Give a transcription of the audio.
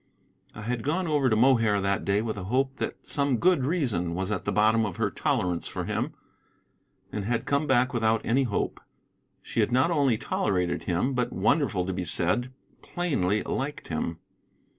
I had gone over to Mohair that day with a hope that some good reason was at the bottom of her tolerance for him, and had come back without any hope. She not only tolerated him, but, wonderful to be said, plainly liked him.